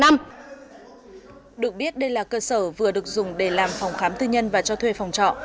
được biết đây là cơ sở vừa được dùng để làm phòng khám tư nhân và cho thuê phòng trọ